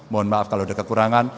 mohon maaf kalau ada kekurangan